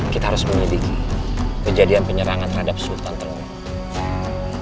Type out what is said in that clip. kita harus menyediki kejadian penyerangan terhadap sultan tenggara